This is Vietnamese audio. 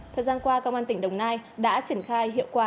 thời gian qua công an tỉnh đồng nai đã triển khai hiệu quả